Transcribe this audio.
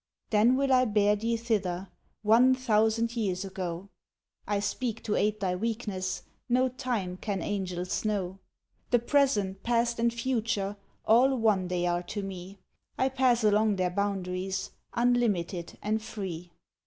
"Then will I bear thee thither, One thousand years ago;— I speak to aid thy weakness, No time can Angels know. The present, past, and future, All one they are to me, I pass along their boundaries, Unlimited, and free."